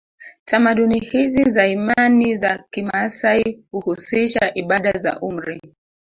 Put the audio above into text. Tamaduni hizi za imani za kimaasai huhusisha ibada za umri